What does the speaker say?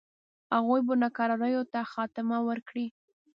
هغوی به ناکراریو ته خاتمه ورکړي.